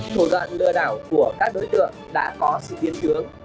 thủ dận lừa đảo của các đối tượng đã có sự biến thướng